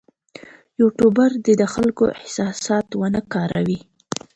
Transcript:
یوټوبر دې د خلکو احساسات ونه کاروي.